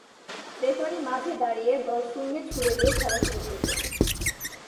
Referee মাঝে দাঁড়িয়ে ball শূন্যে ছুঁড়ে দিয়ে খেলা শুরু করবেন।